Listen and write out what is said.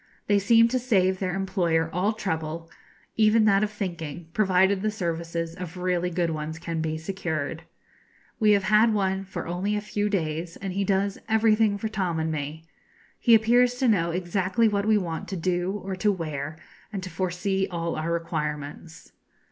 They seem to save their employer all trouble, even that of thinking, provided the services of really good ones can be secured. We have had one for only a few days, and he does everything for Tom and me. He appears to know exactly what we want to do or to wear, and to foresee all our requirements.